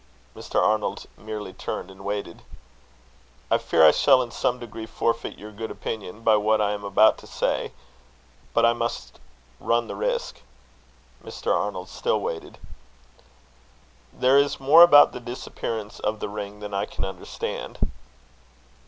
Mr. Arnold merely turned and waited. "I fear I shall in some degree forfeit your good opinion by what I am about to say, but I must run the risk." Mr. Arnold still waited. "There is more about the disappearance of the ring than I can understand."